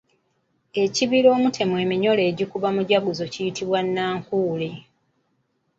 Ekibira omutemwa eminyolo egikuba mujaguzo kiyitibwa Nnakkuule.